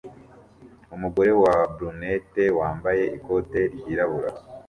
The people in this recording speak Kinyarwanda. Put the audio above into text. Umugore wa brunette wambaye ikote ryirabura